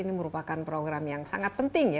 ini merupakan program yang sangat penting ya